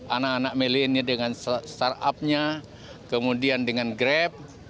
anak anak milenia dengan startupnya kemudian dengan grep